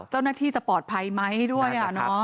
เจ้าหน้าที่จะปลอดภัยไหมด้วย